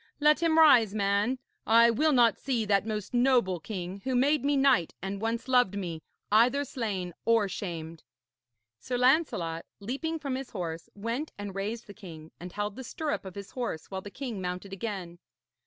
Let him rise, man. I will not see that most noble king, who made me knight and once loved me, either slain or shamed.' Sir Lancelot, leaping from his horse, went and raised the king, and held the stirrup of his horse while the king mounted again.